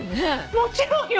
もちろんよ。